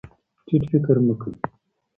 ټیټ فکر مه کوئ.